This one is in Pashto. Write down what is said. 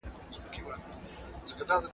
آیا کامره تر سترګو زیات جزیات ثبتوي؟